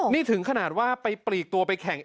นี่ถึงขนาดว่าไปปลีกตัวไปแข่ง